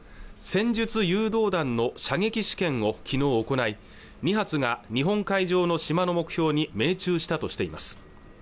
戦術誘導弾の射撃試験を昨日行い２月が日本海上の島の目標に命中したとしています